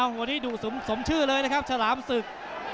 วันนี้ดูสมชื่อเลยนะครับฉลามศึก